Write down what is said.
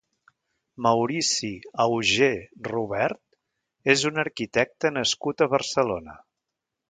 Maurici Augé Robert és un arquitecte nascut a Barcelona.